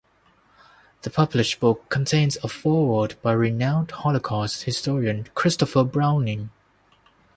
The published book contains a foreword by renowned Holocaust historian Christopher Browning.